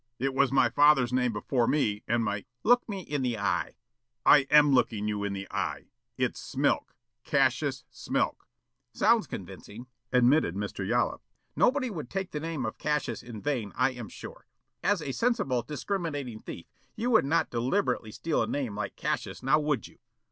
It was my father's name before me, and my " "Look me in the eye!" "I am lookin' you in the eye. It's Smilk, Cassius Smilk." "Sounds convincing," admitted Mr. Yollop. "Nobody would take the name of Cassius in vain, I am sure. As a sensible, discriminating thief, you would not deliberately steal a name like Cassius, now would you?"